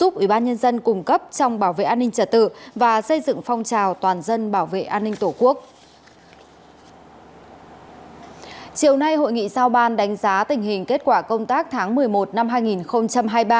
chiều nay hội nghị giao ban đánh giá tình hình kết quả công tác tháng một mươi một năm hai nghìn hai mươi ba